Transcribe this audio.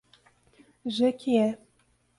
Jequié